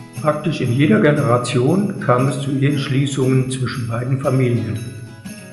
Praktisch in jeder Generation kam es zu Eheschließungen zwischen beiden Familien.